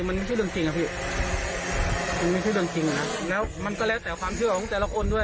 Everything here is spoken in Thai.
มันไม่ใช่เรื่องจริงอ่ะแล้วมันก็แล้วแต่ความเชื่อของแต่ละคนด้วย